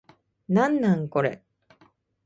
なんなんこれ